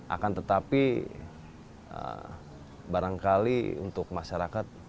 akan tetapi barangkali untuk masyarakat